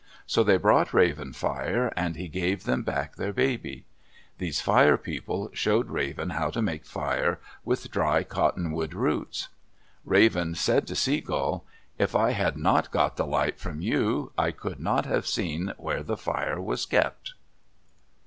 So they brought Raven fire, and he gave them back their baby. These Fire People showed Raven how to make fire with dry cottonwood roots. Raven said to Sea Gull, "If I had not got the light from you, I could not have seen where the fire was kept."